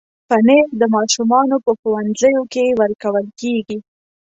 پنېر د ماشومانو په ښوونځیو کې ورکول کېږي.